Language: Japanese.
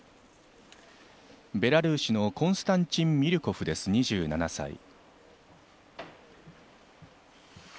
ベラルーシのコンスタンチン・ミリュコフ２７歳。